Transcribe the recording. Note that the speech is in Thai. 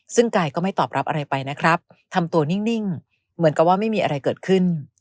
ซึ่งกายก็ไม่ตอบรับอะไรไปนะครับทำตัวนิ่งเหมือนกับว่าไม่มีอะไรเกิดขึ้น